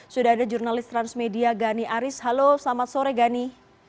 sudah ada jurnalis transmedia gani aris halo selamat sore gani